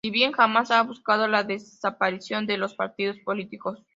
Si bien jamás ha buscado la desaparición de los partidos políticos.